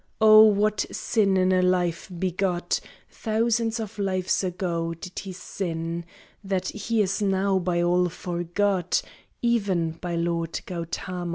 Oh, what sin in a life begot Thousands of lives ago did he sin That he is now by all forgot, Even by Lord Gautama?